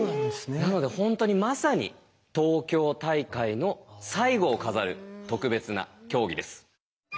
なので本当にまさに東京大会の最後を飾る特別な競技です。